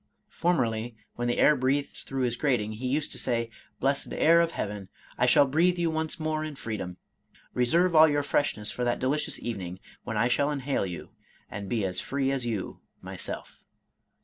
Formerly, when the air breathed through his grating, he used to say, " Blessed air of heaven, I shall breathe you once more in freedom !— Reserve all your freshness for that delicious evening when I shall inhale you, and be as free as you myself."